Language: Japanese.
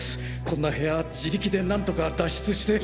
こんな部屋自力でなんとか脱出して。